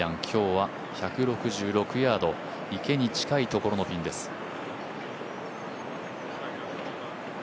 今日は１６６ヤード、池に近いところのピンです。